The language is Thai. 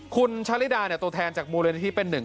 คุณชาฬิดาตัวแทนจากบริเวณที่เป็นหนึ่ง